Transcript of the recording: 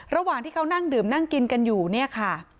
ระหว่างที่เขานั่งดื่มนั่งกินกันอยู่เนี่ยค่ะ